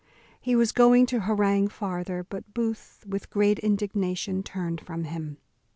He was going to harangue farther; but Booth, with great indignation, turned from him.